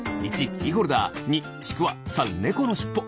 １キーホルダー２ちくわ３ネコのしっぽ。